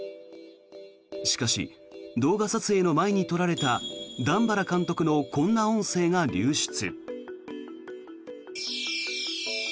しかし、動画撮影の前にとられた段原監督のこんな音声が流出。